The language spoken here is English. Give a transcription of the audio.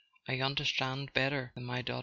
I understand better than my daughter in law..